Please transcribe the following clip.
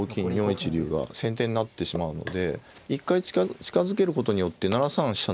４一竜が先手になってしまうので一回近づけることによって７三飛車